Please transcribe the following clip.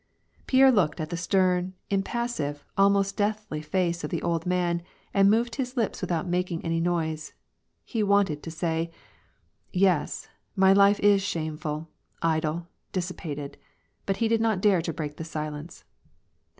Pierre looked at the stem, impassive, almost deathly face of the old man, and moved his lips without mak ing any noise. He wanted to say, —" Yes, my life is shameful, idle, dissipated," but he did not dare to break the silence.